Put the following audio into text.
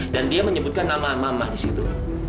dan dia menyebutkan nama nama di situ